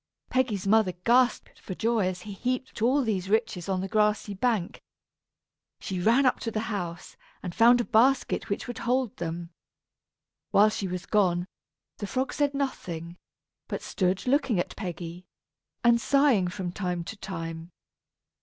Peggy's mother gasped for joy as he heaped all these riches on the grassy bank. She ran up to the house, and found a basket which would hold them. While she was gone, the frog said nothing, but stood looking at Peggy and sighing from time to time.